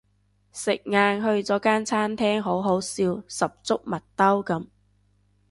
食晏去咗間餐廳好好笑十足麥兜噉